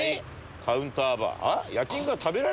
カウンターバー？